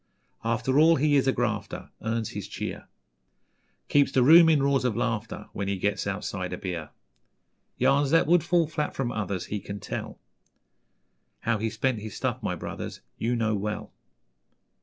After all, he is a grafter, Earns his cheer Keeps the room in roars of laughter When he gets outside a beer. Yarns that would fall flat from others He can tell; How he spent his 'stuff', my brothers, You know well.